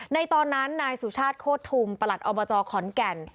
ในตอนนั้นนายสุชาติโคตรทุมประหลัดอบจขอนแก่น